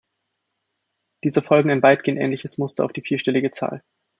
Diese folgen ein weitgehend ähnliches Muster auf die vierstellige Zahl.